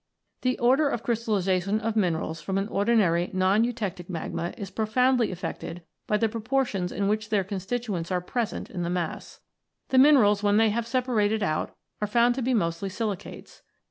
The order of crystallisa tion of minerals from an ordinary non eutectic magma is profoundly affected by the proportions in which their constituents are present in the mass. ^The minerals, when they have separated out, are found to be mostly silicates.